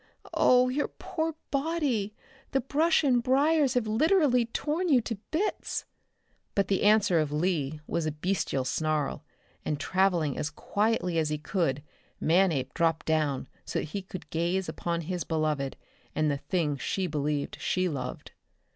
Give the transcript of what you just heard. Oh, your poor body! The brush and briars have literally torn you to bits." But the answer of "Lee" was a bestial snarl, and traveling as quietly as he could, Manape dropped down so that he could gaze upon his beloved, and the thing she believed she loved.